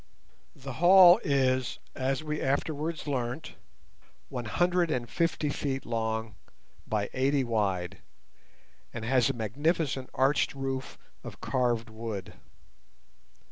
The hall is, as we afterwards learnt, one hundred and fifty feet long by eighty wide, and has a magnificent arched roof of carved wood.